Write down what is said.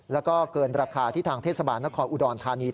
แล้วก็เกินราคาที่ทางเทศบาลนครอุดรธานี